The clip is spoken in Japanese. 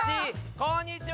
こんにちは！